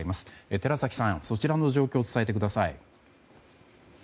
寺崎さん、そちらの状況を伝えてください。